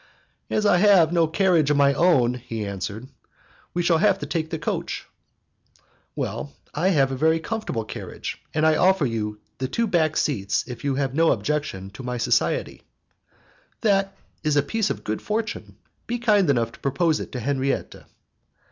"As I have no carriage of my own," he answered, "we shall have to take the coach." "I have a very comfortable carriage, and I offer you the two back seats if you have no objection to my society." "That is a piece of good fortune. Be kind enough to propose it to Henriette."